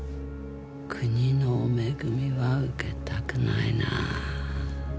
国の恵みは受けたくないなあ。